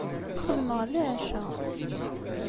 Xedmeɣ leɛca.